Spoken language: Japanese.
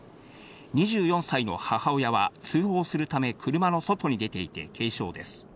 ２４歳の母親は通報するため車の外に出ていて軽傷です。